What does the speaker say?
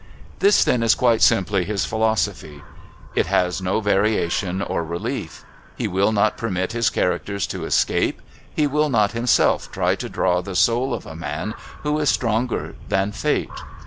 This then is quite simply his philosophy. It has no variation or relief. He will not permit his characters to escape, he will not himself try to draw the soul of a man who is stronger than Fate.